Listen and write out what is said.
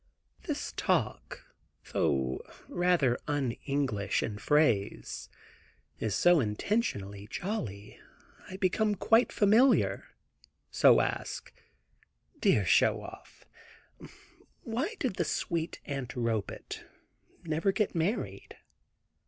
This talk, though rather un English in phrase, is so intentionally jolly, I become quite familiar, so ask: "Dear Show Off, why did the sweet Aunt Robet never get married?"